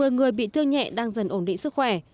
một mươi người bị thương nhẹ đang dần ổn định sức khỏe